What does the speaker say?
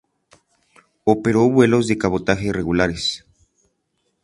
Operó vuelos de cabotaje regulares.